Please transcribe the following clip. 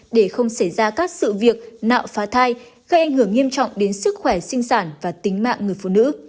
để không xảy ra các sự việc nạo phá thai gây ảnh hưởng nghiêm trọng đến sức khỏe sinh sản và tính mạng người phụ nữ